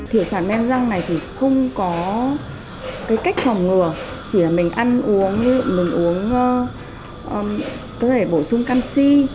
thiểu sản men răng này thì không có cái cách phòng ngừa chỉ là mình ăn uống như ở mình uống có thể bổ sung canxi